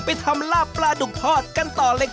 ทำลาบปลาดุกทอดกันต่อเลยค่ะ